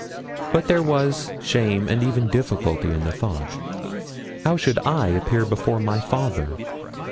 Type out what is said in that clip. But there was shame and even difficulty in the thought. How should I appear before my father?